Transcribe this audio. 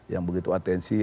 yang begitu atensi